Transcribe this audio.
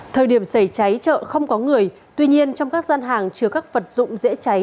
thời điểm xảy cháy chợ không có người tuy nhiên trong các gian hàng chứa các vật dụng dễ cháy